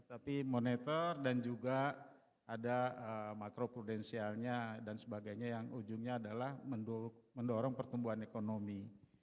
tapi moneter dan juga ada makro prudensialnya dan sebagainya yang ujungnya adalah mendorong pertumbuhan ekonomi